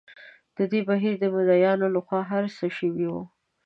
د دې بهیر د مدعییانو له خوا هر څه شوي وو.